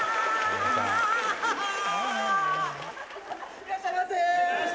いらっしゃいませ！